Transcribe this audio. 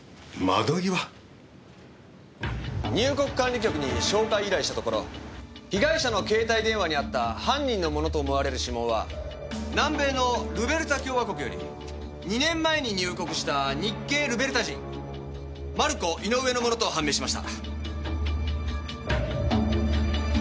入国管理局に照会依頼したところ被害者の携帯電話にあった犯人のものと思われる指紋は南米のルベルタ共和国より２年前に入国した日系ルベルタ人マルコ・イノウエのものと判明しました。